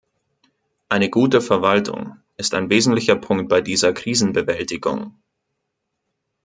Eine gute Verwaltung ist ein wesentlicher Punkt bei dieser Krisenbewältigung.